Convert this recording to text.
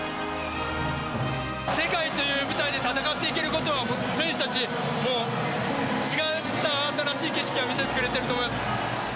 世界という舞台で戦っていけることは、選手たちがもう、違った新しい景色は見せてくれてると思います。